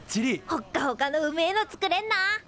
ほっかほかのうめえの作れんな！